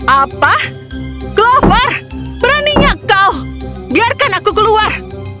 apa clover beraninya kau biarkan aku keluar